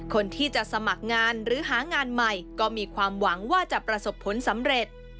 คนที่จะสมัครงานหรือหางานใหม่ก็มีความหวังว่าจะประสบผลสำเร็จ